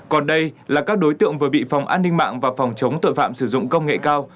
còn đây là các đối tượng vừa bị phòng an ninh mạng và phòng chống tội phạm sử dụng công nghệ cao